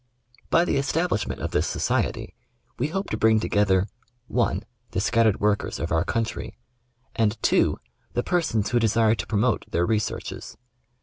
By the establishment of this Society we hope to bring to gether (]) the scattered workers of our country, and (2) the persons who desire to promote their researches.